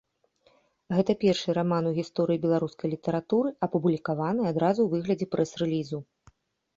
Гэта першы раман у гісторыі беларускай літаратуры, апублікаваны адразу ў выглядзе прэс-рэлізу.